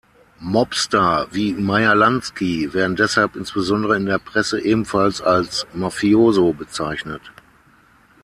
Mobster wie Meyer Lansky werden deshalb insbesondere in der Presse ebenfalls als „Mafioso“ bezeichnet.